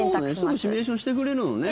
すぐシミュレーションしてくれるのね。